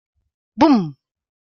Bum!